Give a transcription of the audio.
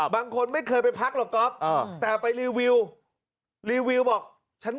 บางคนไม่เคยไปพักหรอกกอฟ